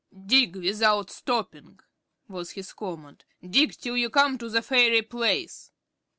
"Dig without stopping," was his command. "Dig till you come to the fairy palace."